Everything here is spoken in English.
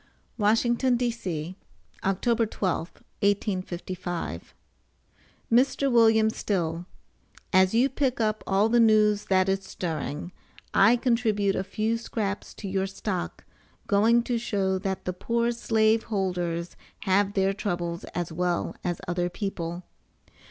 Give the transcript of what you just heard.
WASHINGTON, D.C., October 12, 1855. MR. WM. STILL: AS YOU PICK UP ALL THE NEWS THAT IS STIRRING, I CONTRIBUTE A FEW SCRAPS TO YOUR STOCK, GOING TO SHOW THAT THE POOR SLAVE HOLDERS HAVE THEIR TROUBLES AS WELL AS OTHER PEOPLE.